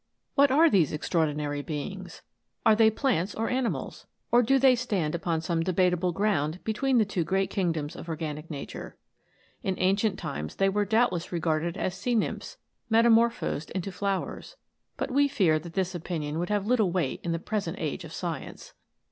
What are these extraordinary beings? Are they plants or animals, or do they stand upon some de bateable ground between the two great kingdoms of K 130 ANIMATED FLOWERS. organic nature? In ancient times they were doubt less regarded as sea nymphs metamorphosed into flowers ; but we fear that this opinion would have little weight in the present age of science.